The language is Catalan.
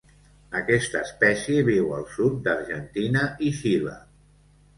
Aquesta espècie viu al sud d'Argentina i Xile.